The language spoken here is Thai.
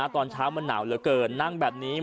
ตอนเช้ามันหนาวเหลือเกินนั่งแบบนี้